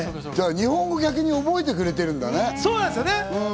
日本語、逆に覚えてくれてるんだね。